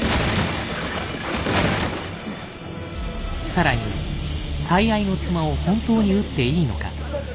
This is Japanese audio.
更に「最愛の妻を本当に撃っていいのか」。